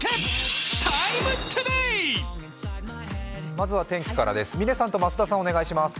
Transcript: まずは天気からです。